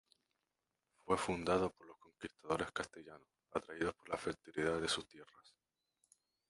Fue fundado por los conquistadores castellanos atraídos por la fertilidad de sus tierras.